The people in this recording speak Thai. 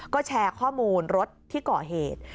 ก็แชร์ข้อมูลรถที่ก่อเหตุ